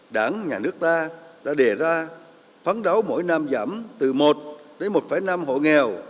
đảng nhà nước ta đã đề ra phán đấu mỗi năm giảm từ một đến một năm hộ nghèo